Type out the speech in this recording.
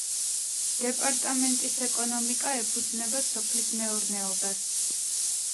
დეპარტამენტის ეკონომიკა ეფუძნება სოფლის მეურნეობას.